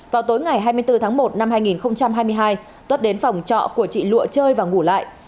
vào tối ngày hai mươi bốn tháng một năm hai nghìn hai mươi hai tuất đến phòng trọ của chị lụa chơi và ngủ lại